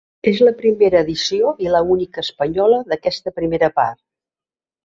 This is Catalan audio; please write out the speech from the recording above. És la primera edició i l'única espanyola d'aquesta primera part.